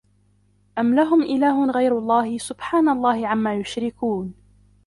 أَم لَهُم إِلهٌ غَيرُ اللَّهِ سُبحانَ اللَّهِ عَمّا يُشرِكونَ